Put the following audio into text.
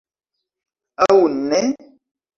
Aŭ ne?